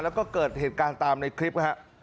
แล้วก็เกิดเหตุการณ์ตามในคลิปฮะ